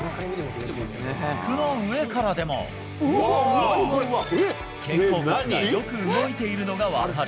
服の上からでも、肩甲骨がよく動いているのが分かる。